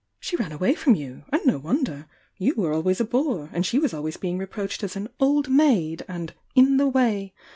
She ran away from you and no wonder! You were always a bore^and she was always beLg re proMhed as an 'old maid' and 'in the way.'